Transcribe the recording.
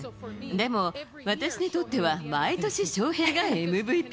でも、私にとっては毎年ショウヘイがＭＶＰ。